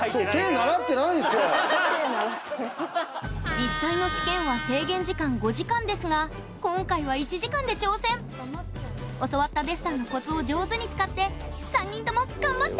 実際の試験は制限時間５時間ですが今回は教わったデッサンのコツを上手に使って３人とも頑張って！